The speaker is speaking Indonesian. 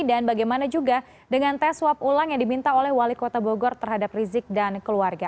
dan bagaimana juga dengan tes swab ulang yang diminta oleh wali kota bogor terhadap rizik dan keluarga